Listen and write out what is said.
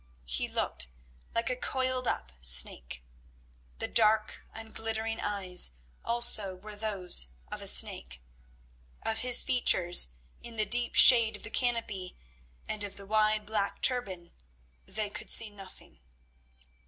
He looked like a coiled up snake; the dark and glittering eyes also were those of a snake. Of his features, in the deep shade of the canopy and of the wide black turban, they could see nothing.